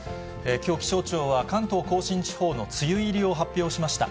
きょう、気象庁は関東甲信地方の梅雨入りを発表しました。